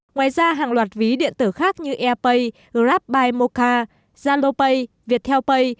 ngoài ra hàng loạt ví điện tử khác như airpay grabbymocha zalopay viettelpay